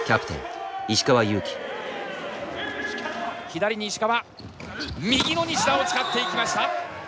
左に石川右の西田を使っていきました。